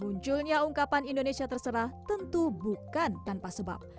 munculnya ungkapan indonesia terserah tentu bukan tanpa sebab